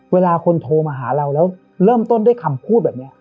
เวลาคนโทรมาหาเราแล้วเริ่มต้นด้วยคำพูดแบบนี้